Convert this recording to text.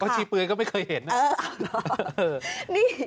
ก็ชี้เปลื้อยก็ไม่เคยเห็นนะเอออ๋อนี่